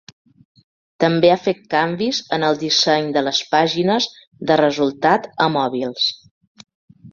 També ha fet canvis en el disseny de les pàgines de resultat a mòbils.